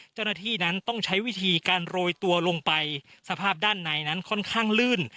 เจ้าหน้าที่นั้นต้องใช้วิธีการโรยตัวลงไปสภาพด้านในนั้นค่อนข้างลื่น